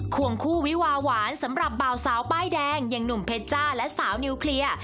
ควงคู่วิวาหวานสำหรับบ่าวสาวป้ายแดงอย่างหนุ่มเพชจ้าและสาวนิวเคลียร์